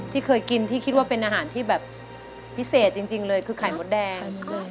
ที่เคยกินที่คิดว่าเป็นอาหารที่แบบพิเศษจริงเลยคือไข่มดแดง